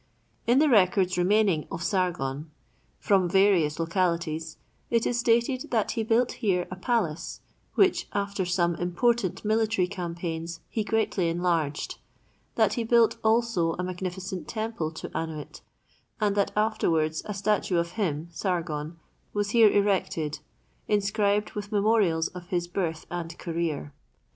In the records remaining of Sargon, from various localities, it is stated that he built here a palace, which, after some important military campaigns he greatly enlarged; that he built also a magnificent temple to Annuit, and that afterwards a statue of him (Sargon) was here erected, inscribed with memorials of his birth and career.